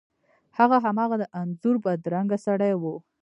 هغه هماغه د انځور بدرنګه سړی و.